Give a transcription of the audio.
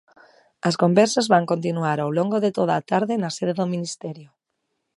As conversas van continuar ao longo de toda a tarde na sede do Ministerio.